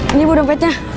ini ibu dompetnya